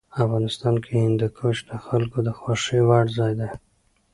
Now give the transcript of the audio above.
افغانستان کې هندوکش د خلکو د خوښې وړ ځای دی.